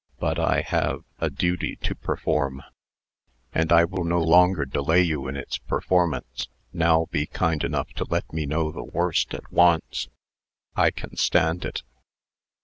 But I have, a duty to perform." "And I will no longer delay you in its performance. Now be kind enough to let me know the worst at once. I can stand it."